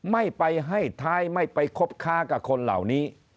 ไม่ไปให้ท้ายไม่ไปคบค้ากับคนเหล่านี้